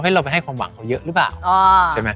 เดี๋ยวเราไปให้ความหวังเขาเยอะหรือเปล่า